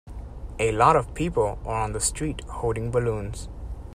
A lot of people are on the street holding balloons